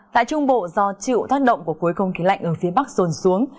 tại trung bộ do chịu thất động của cuối không khí lạnh ở phía bắc sồn xuống